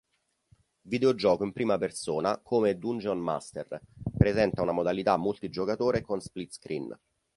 Videogioco in prima persona come "Dungeon Master", presenta una modalità multigiocatore con split screen.